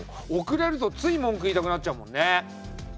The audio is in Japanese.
遅れるとつい文句言いたくなっちゃうもんね。